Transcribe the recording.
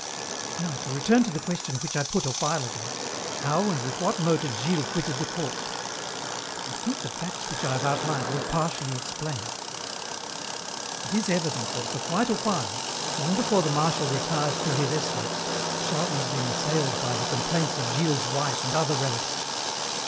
"Now to return to the question which I put a while ago, how and with what motives Gilles quitted the court. I think the facts which I have outlined will partially explain. "It is evident that for quite a while, long before the Marshal retired to his estates, Charles had been assailed by the complaints of Gilles's wife and other relatives.